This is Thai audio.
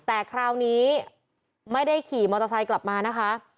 แต่คราวนี้ไม่ได้ขี่มอเตอร์ไซค์กลับมานะคะ